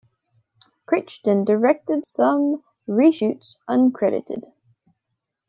Crichton directed some reshoots uncredited.